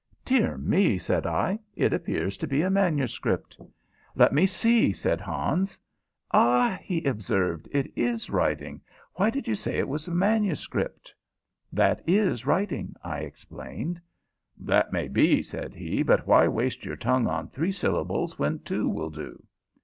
"Dear me," said I. "It appears to be manuscript." "Let me see," said Hans. "Ah," he observed, "it is writing. Why did you say it was manuscript?" "That is writing," I explained. "That may be," said he, "but why waste your tongue on three syllables when two will do?"